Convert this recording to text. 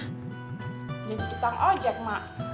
kerja di tukang ojek ma